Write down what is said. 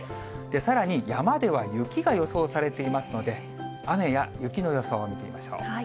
さらに、山では雪が予想されていますので、雨や雪の予想を見てみましょう。